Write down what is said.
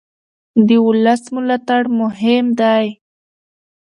د ولس ملاتړ مهم دی